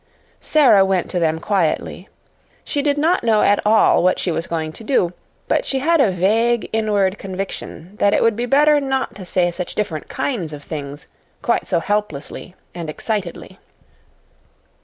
Sara went to them quietly. She did not know at all what she was going to do, but she had a vague inward conviction that it would be better not to say such different kinds of things quite so helplessly and excitedly.